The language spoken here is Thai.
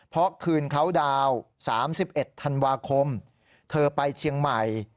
เพราะคืนเขาดาวน์๓๑ธันวาคมเธอไปเชียงใหม่